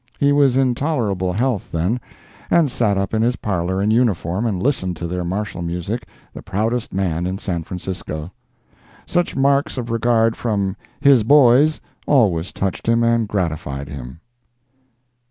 He was in tolerable health, then, and sat up in his parlor in uniform and listened to their martial music, the proudest man in San Francisco. Such marks of regard from "his boys" always touched him and gratified him.